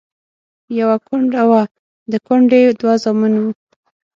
يوه کونډه وه، د کونډې دوه زامن وو.